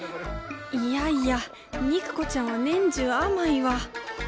いやいや肉子ちゃんは年中甘いわ！